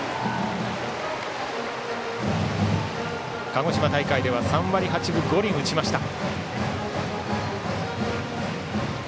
鹿児島大会では３割８分５厘打ちました。